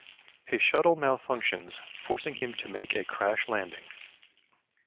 His shuttle malfunctions, forcing him to make a crash landing.